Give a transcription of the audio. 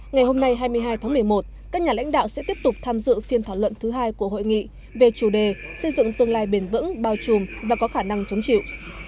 ngày hôm nay hai mươi hai tháng một mươi một các nhà lãnh đạo sẽ tiếp tục tham dự phiên thảo luận thứ hai của hội nghị về chủ đề xây dựng tương lai bền vững bao trùm và có khả năng chống chịu